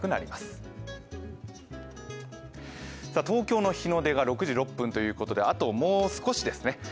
東京の日の出が６時６分ということで、あともう少しですね。